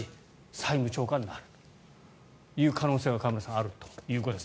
債務超過になるという可能性が河村さんはあるということです。